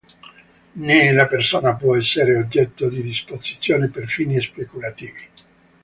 Né la persona può essere oggetto di disposizione per fini speculativi.